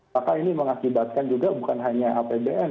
maka ini mengakibatkan juga bukan hanya apbn